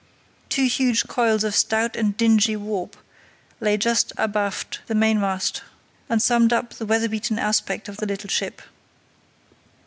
Two huge coils of stout and dingy warp lay just abaft the mainmast, and summed up the weather beaten aspect of the little ship.